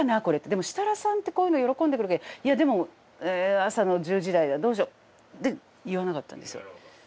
でも設楽さんってこういうの喜んでくれるけどいやでも朝の１０時台だどうしようで言わなかったんですよ。